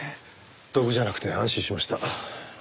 毒じゃなくて安心しました。